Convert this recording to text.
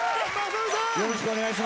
よろしくお願いします。